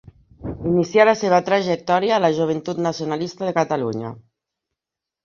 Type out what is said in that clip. Inicià la seva trajectòria a la Joventut Nacionalista de Catalunya.